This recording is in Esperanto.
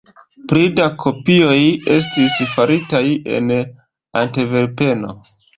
Pli da kopioj estis faritaj en Antverpeno.